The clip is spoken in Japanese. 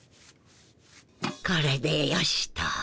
これでよしと。